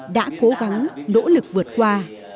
đã cố gắng nỗ lực vượt qua